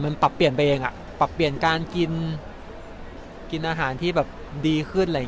มันปรับเปลี่ยนไปเองปรับเปลี่ยนการกินอาหารที่ดีขึ้น